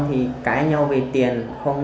thì cãi nhau về tiền